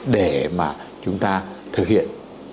để mà chúng ta thực hiện